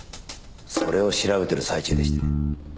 それを調べてる最中でして。